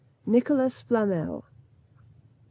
NICHOLAS FLAMEL.